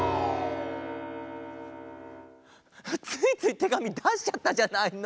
ついついてがみだしちゃったじゃないの。